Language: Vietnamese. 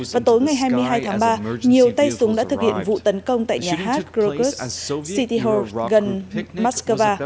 vào tối ngày hai mươi hai tháng ba nhiều tay súng đã thực hiện vụ tấn công tại nhà hát krokus city hall gần moscow